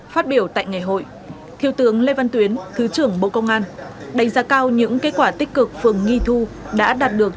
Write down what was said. phát biểu tại ngày hội thiếu tướng lê văn tuyến thứ trưởng bộ công an đánh giá cao những kết quả tích cực phường nghi thu đã đạt được